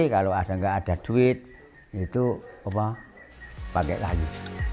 kalau tidak ada duit pakai kayu